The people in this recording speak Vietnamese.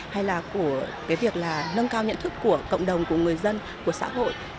hay là của việc nâng cao nhận thức của cộng đồng của người dân của xã hội